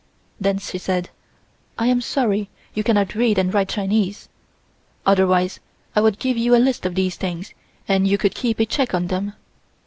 Then she said: "I am sorry you cannot read and write Chinese, otherwise I would give you a list of these things and you could keep a check on them."